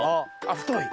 太い！